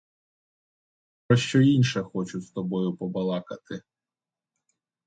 Я про що інше хочу з тобою побалакати.